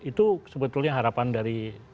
itu sebetulnya harapan dari kami di lhk